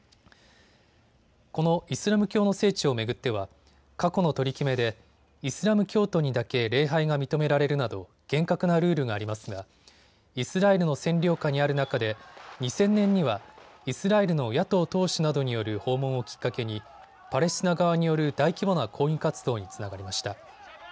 このイスラム教の聖地を巡っては過去の取り決めでイスラム教徒にだけ礼拝が認められるなど厳格なルールがありますがイスラエルの占領下にある中で２０００年にはイスラエルの野党党首などによる訪問をきっかけにパレスチナ側による大規模な抗議活動につながりました。